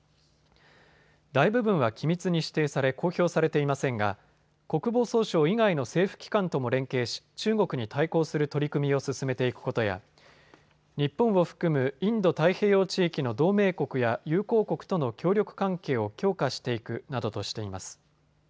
大部分は機密に指定され公表されていませんが国防総省以外の政府機関とも連携し中国に対抗する取り組みを進めていくことや日本を含むインド太平洋地域の同盟国や友好国との協力関係を強化していくなどとしています。